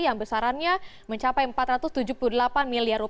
yang besarannya mencapai rp empat ratus tujuh puluh delapan miliar